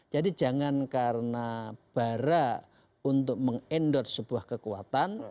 jadi jangan karena barah untuk meng endorse sebuah kekuatan